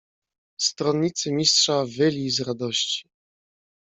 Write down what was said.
"Stronnicy Mistrza wyli z radości."